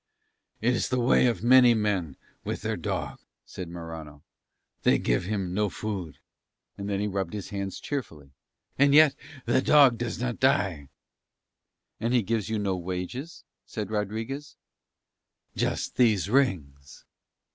"It is the way of many men with their dog," said Morano. "They give him no food," and then he rubbed his hands cheerfully, "and yet the dog does not die." "And he gives you no wages?" said Rodriguez. "Just these rings."